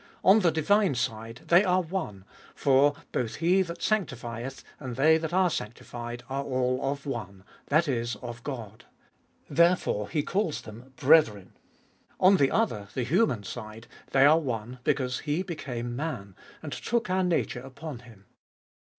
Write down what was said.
On the divine side they are one, for both He that sanctifieth, and they that are sanctified are all of one, that is, of God. Therefore He calls them brethren. On the other, the human side, they are one, because He became man, and took our nature upon Him.